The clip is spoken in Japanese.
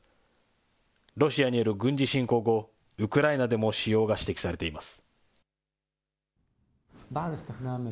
ロシアによる軍事侵攻後、ウクライナでも使用が指摘されています。